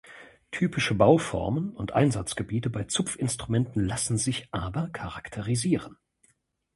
Typische Bauformen und Einsatzgebiete bei Zupfinstrumenten lassen sich aber charakterisieren.